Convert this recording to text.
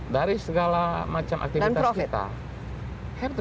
dari segala macam aktivitas kita